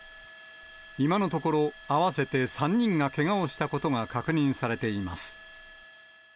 今のところ、合わせて３人がけがをしたことが確認されています。